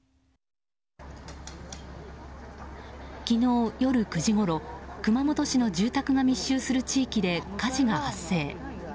昨日夜９時ごろ熊本市の住宅が密集する地域で火事が発生。